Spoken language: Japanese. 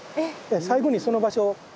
最後にその場所を。